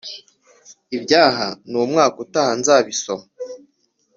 iby’aha n’umwaka utaha nzabisoma